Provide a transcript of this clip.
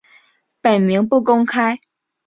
本名不公开。